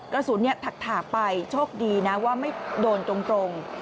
กระสุนถักไปโชคดีนะว่าไม่โดนตรง